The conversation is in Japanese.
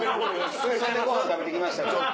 それでご飯食べてきましたから。